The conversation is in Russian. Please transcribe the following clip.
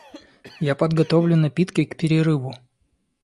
Я подготовлю напитки к перерыву.